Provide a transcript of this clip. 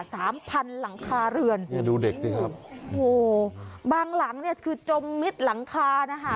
สามพันหลังคาเรือนเนี่ยดูเด็กสิครับโอ้โหบางหลังเนี่ยคือจมมิดหลังคานะคะ